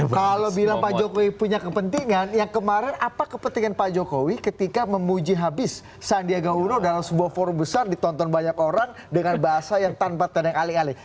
kalau bilang pak jokowi punya kepentingan yang kemarin apa kepentingan pak jokowi ketika memuji habis sandiaga uno dalam sebuah forum besar ditonton banyak orang dengan bahasa yang tanpa tanda yang alih alih